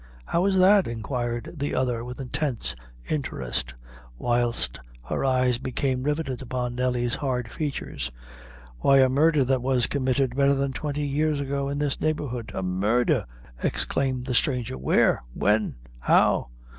"How is that?" inquired the other, with intense interest, whilst her eyes became riveted upon Nelly's hard features. "Why, a murdher that was committed betther than twenty years ago in this neighborhood." "A murdher!" exclaimed the stranger. "Where? when? how?"